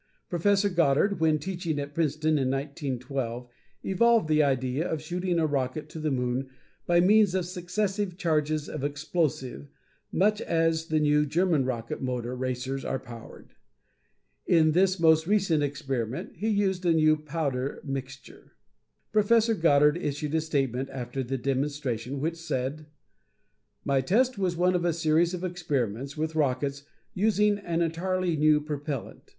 Prof. Goddard, when teaching at Princeton in 1912, evolved the idea of shooting a rocket to the moon by means of successive charges of explosive much as the new German rocket motor racers are powered. In this most recent experiment he used a new powder mixture. Prof. Goddard issued a statement after the demonstration, which said: "My test was one of a series of experiments with rockets using an entirely new propellant.